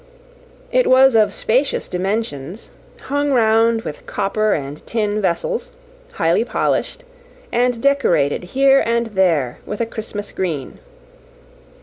It was of spacious dimensions, hung round with copper and tin vessels, highly polished, and decorated here and there with a Christmas green.